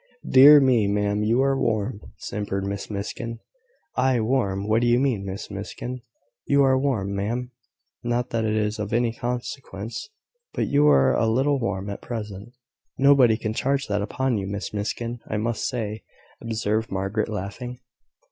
"Dear me, ma'am, you are warm!" simpered Miss Miskin. "I warm! What do you mean, Miss Miskin?" "You are warm, ma'am: not that it is of any consequence; but you are a little warm at present." "Nobody can charge that upon you, Miss Miskin, I must say," observed Margaret, laughing.